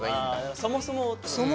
そもそもをってことですね。